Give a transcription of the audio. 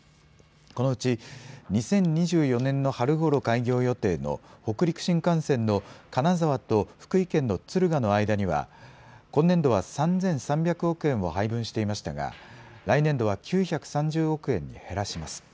このうち２０２４年の春ごろ開業予定の北陸新幹線の金沢と福井県の敦賀の間には今年度は３３００億円を配分していましたが来年度は９３０億円に減らします。